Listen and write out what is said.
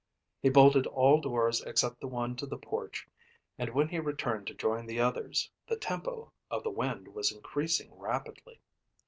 He bolted all doors except the one to the porch and when he returned to join the others, the tempo of the wind was increasing rapidly.